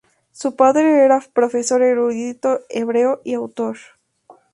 Su padre era profesor, erudito hebreo y autor.